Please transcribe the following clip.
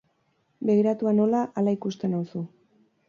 Begiratua nola, hala ikusten nauzu.